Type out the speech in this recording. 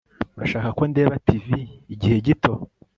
Urashaka ko ndeba TV igihe gito